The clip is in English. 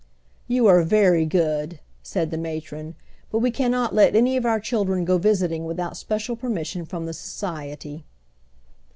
"You are very good," said the matron. "But we cannot let any of our children go visiting without special permission from the Society."